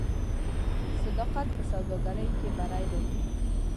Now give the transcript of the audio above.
صداقت په سوداګرۍ کې بری راوړي.